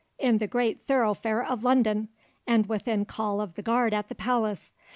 in the great thoroughfare of London, and within call of the guard at the Palace.